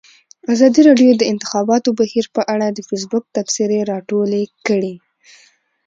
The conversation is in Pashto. ازادي راډیو د د انتخاباتو بهیر په اړه د فیسبوک تبصرې راټولې کړي.